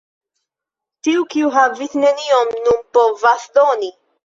Tiu, kiu havis nenion, nun povas doni.